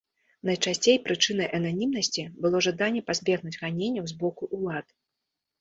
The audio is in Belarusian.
Найчасцей прычынай ананімнасці было жаданне пазбегнуць ганенняў з боку ўлад.